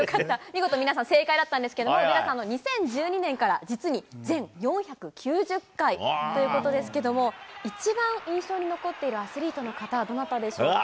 見事、皆さん、正解だったんですけども、皆さん２０１２年から実に全４９０回ということですけれども、一番印象に残っているアスリートの方、どなたでしょうか。